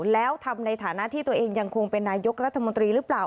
แล้วทำในฐานะที่ตัวเองยังคงเป็นนายกรัฐมนตรีหรือเปล่า